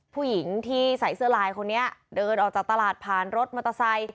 ผู้หญิงที่ใส่เสื้อลายคนนี้เดินออกจากตลาดผ่านรถมอเตอร์ไซค์